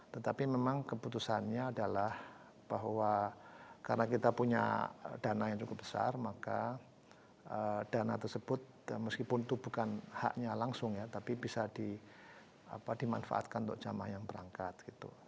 tetapi memang keputusannya adalah bahwa karena kita punya dana yang cukup besar maka dana tersebut meskipun itu bukan haknya langsung ya tapi bisa dimanfaatkan untuk jamaah yang berangkat gitu